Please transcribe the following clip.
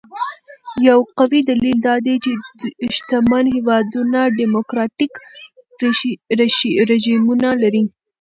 یو قوي دلیل دا دی چې شتمن هېوادونه ډیموکراټیک رژیمونه لري.